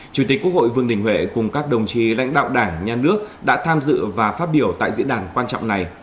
chủ tịch quốc hội vương đình huệ cùng các đồng chí lãnh đạo đảng nhà nước đã tham dự và phát biểu tại diễn đàn quan trọng này